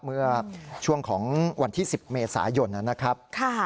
เมื่อช่วงของวันที่๑๐เมษายนนะครับ